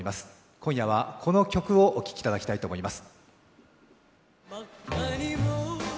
今夜はこの曲をお聴きいただきたいと思います。